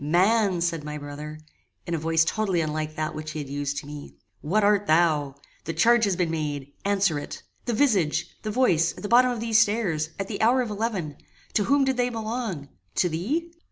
"Man," said my brother, in a voice totally unlike that which he had used to me, "what art thou? The charge has been made. Answer it. The visage the voice at the bottom of these stairs at the hour of eleven To whom did they belong? To thee?"